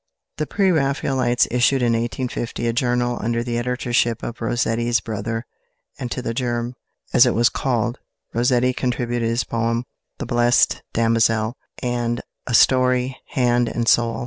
The pre Raphaelites issued in 1850 a journal under the editorship of Rossetti's brother, and to the Germ, as it was called, Rossetti contributed his poem, "The Blessed Damozel," and a story, "Hand and Soul."